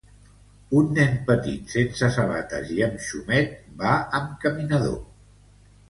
Un nen petit sense sabates i amb xumet va amb caminador.